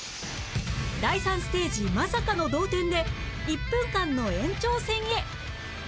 第３ステージまさかの同点で１分間の延長戦へ